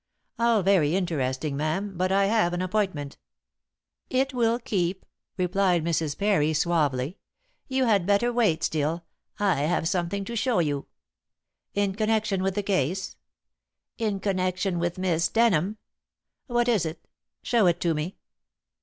"All very interesting ma'am, but I have an appointment." "It will keep," replied Mrs. Parry suavely. "You had better wait, Steel. I have something to show you." "In connection with the case?" "In connection with Miss Denham." "What is it? Show it to me."